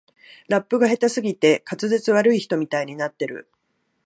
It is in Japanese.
ラップが下手すぎて滑舌悪い人みたいになってる